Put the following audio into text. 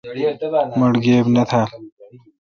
مٹھ گیب نہ تھال۔